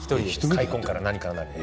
開墾から何から。